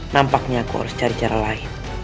nampaknya aku harus cari cara lain